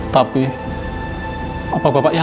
tapi apakah bapak yakin